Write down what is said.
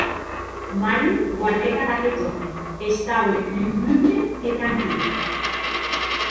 Mario guardèc ad aqueth òme; estaue lugubre e tranquil.